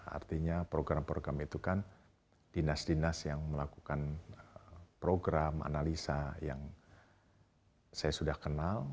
artinya program program itu kan dinas dinas yang melakukan program analisa yang saya sudah kenal